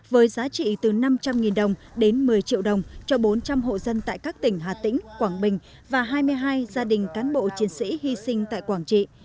với giá trị từ năm trăm linh đồng đến một mươi triệu đồng cho bốn trăm linh hộ dân tại các tỉnh hà tĩnh quảng bình và hai mươi hai gia đình cán bộ chiến sĩ hy sinh tại quảng trị